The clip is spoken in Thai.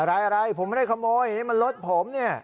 อะไรผมไม่ได้ขโมยนี่มันรถผมเนี่ย